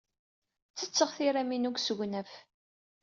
Ttetteɣ tiram-inu deg usegnaf.